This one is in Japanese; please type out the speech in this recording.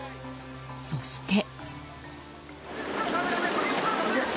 そして。